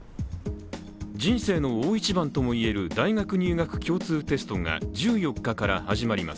人生の大一番ともいえる大学入学共通テストが１４日から始まります。